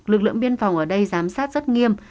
lực lượng biên phòng ở đây giám sát rất nghiêm